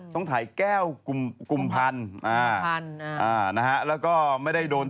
ต้องถ่ายแก้วกุมพัน